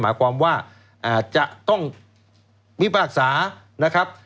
หมายความว่าจะต้องพิพากษานะครับ